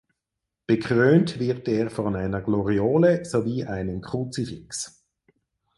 Bekrönt wird er von einer Gloriole sowie einem Kruzifix.